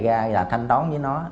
nói ra là thanh toán với nó